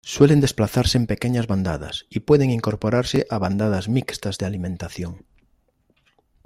Suele desplazarse en pequeñas bandadas y puede incorporarse a bandadas mixtas de alimentación.